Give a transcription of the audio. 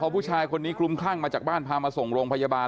ผู้ชายคนนี้คลุมคลั่งมาจากบ้านพามาส่งโรงพยาบาล